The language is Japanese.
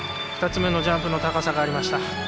２つ目のジャンプの高さがありました。